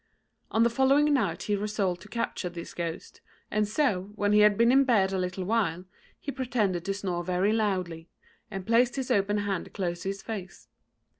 On the following night he resolved to capture this ghost, and so, when he had been in bed a little while, he pretended to snore very loudly, and placed his open hand close to his face.